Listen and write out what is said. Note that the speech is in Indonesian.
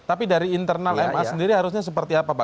tapi dari internal ma sendiri harusnya seperti apa pak